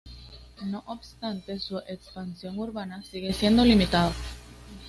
No obstante su expansión urbana sigue siendo limitado.